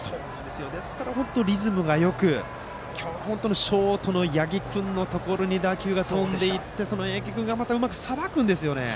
ですから、リズムがよく今日は本当にショートの八木君のところに打球が飛んでいってその八木君がまたうまくさばくんですね。